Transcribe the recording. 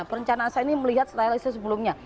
perencanaan saya ini melihat realisasi sebelumnya